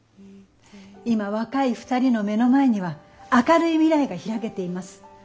今若い二人の目の前には明るい未来が開けています。